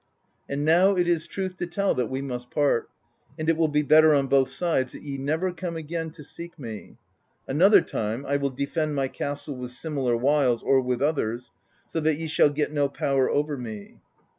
And now 68 PROSE EDDA it is truth to tell that we must part; and it will be better on both sides that ye never come again to seek me. Another time I will defend my castle with similar wiles or with others, so that ye shall get no power over me.'